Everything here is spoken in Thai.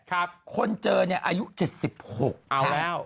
คนเจอยุค๗๖นะครับ